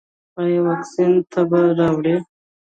ایا واکسین تبه راوړي؟